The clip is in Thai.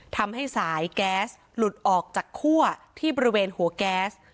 ทำให้สายแก๊สหลุดออกจากคั่วที่บริเวณหัวแก๊ส